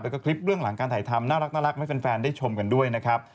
แล้วก็คลิปเรื่องหลังการถ่ายทำน่ารักให้แฟนได้ชมกันด้วยนะครับ